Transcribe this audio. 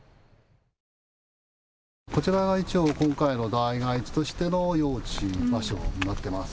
こちらが一応、今回の代替え地としての用地、場所になっています。